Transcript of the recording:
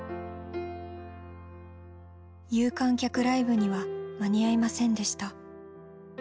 有観客ライブには間に合いませんでした。